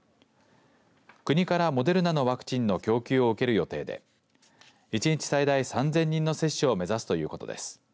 国からモデルナのワクチンの供給を受ける予定で１日最大３０００人の接種を目指すということです。